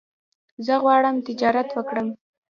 زه غواړم تجارت وکړم